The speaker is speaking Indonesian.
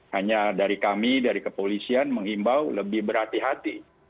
hanya dari kami dari kepolisian menghimbau lebih berhati hati